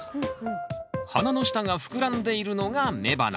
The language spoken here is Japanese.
花の下が膨らんでいるのが雌花。